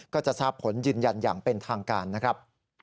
ก็จะทราบผลยืนยันอย่างเป็นทางการนะครับ